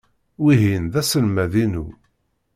Wihin d aselmad-inu.